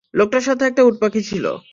লোকটার সাথে একটা উটপাখি ছিলো।